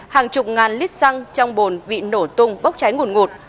hàng chục ngàn lít xăng trong bồn bị nổ tung bốc cháy nguồn ngụt